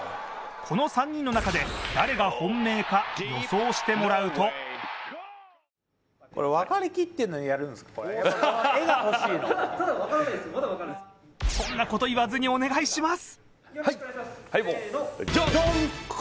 この３人の中で誰が本命か予想してもらうとそんなこと言わずにお願いします。